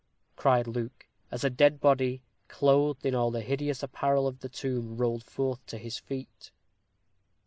cried Luke, as a dead body, clothed in all the hideous apparel of the tomb, rolled forth to his feet.